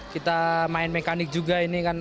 kita main mekanik juga ini kan